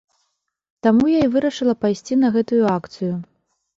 Таму я і вырашыла пайсці на гэтую акцыю.